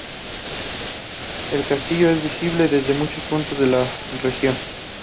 El castillo es visible desde muchos puntos de la región.